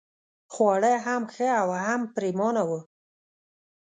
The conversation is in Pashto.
خواړه هم ښه او هم پرېمانه وو.